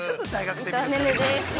◆伊藤寧々でーす。